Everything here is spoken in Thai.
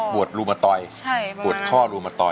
ปวดรุมตรอย